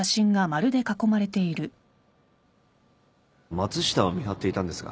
松下を見張っていたんですが